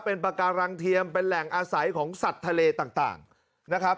เป็นปากการังเทียมเป็นแหล่งอาศัยของสัตว์ทะเลต่างนะครับ